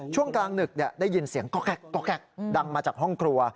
ช่วงกลางดึกได้ยินเสียงก๊อกแก๊กดังมาจากห้องครัว